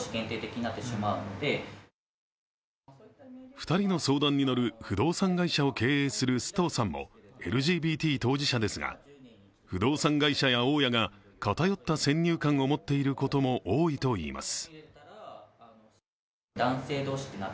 ２人の相談に乗る不動産会社の須藤さんもＬＧＢＴ当事者ですが、不動産会社や大家が偏った先入観を持っていることも多いといいます。